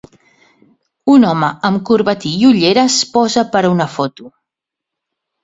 Un home amb corbatí i ulleres posa per a una foto.